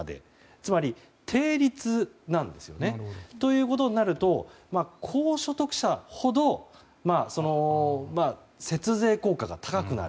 つまり、定率なんですよね。ということになると高所得者ほど節税効果が高くなる。